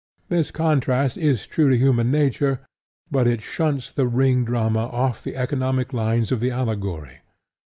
This contrast is true to human nature; but it shunts The Ring drama off the economic lines of the allegory.